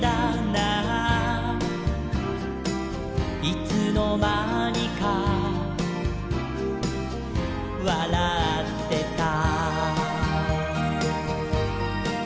「いつのまにかわらってた」